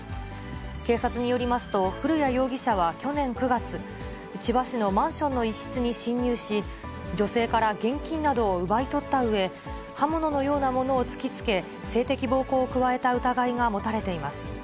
警察によりますと、古屋容疑者は去年９月、千葉市のマンションの一室に侵入し、女性から現金などを奪い取ったうえ、刃物のようなものを突きつけ、性的暴行を加えた疑いが持たれています。